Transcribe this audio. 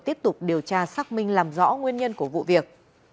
tiếp tục điều tra xác minh làm rõ nguyên nhân của vụ việc